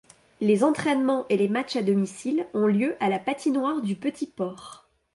Les entraînements et les matchs à domicile ont lieu à la patinoire du Petit-Port.